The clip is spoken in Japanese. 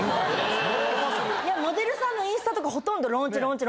モデルさんのインスタとか殆ど「ローンチローンチ」。